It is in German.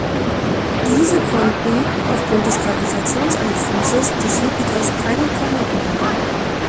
Diese konnten aufgrund des Gravitationseinflusses des Jupiters keinen Planeten bilden.